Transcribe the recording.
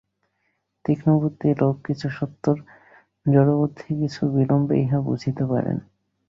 তীক্ষ্ণবুদ্ধি লোক কিছু সত্বর, জড়বুদ্ধি কিছু বিলম্বে ইহা বুঝিতে পারেন।